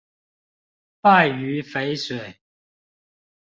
敗於淝水